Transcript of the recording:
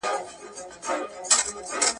زه به اوږده موده د لغتونو تمرين کړی وم!؟